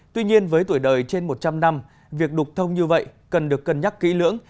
tuy nhiên với tuổi đời trên một trăm linh năm việc đục thông như vậy cần được cân nhắc kỹ lưỡng